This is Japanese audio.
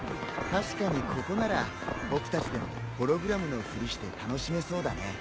確かにここなら僕たちでもホログラムのふりして楽しめそうだね。